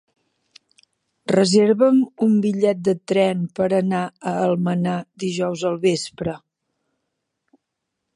Reserva'm un bitllet de tren per anar a Almenar dijous al vespre.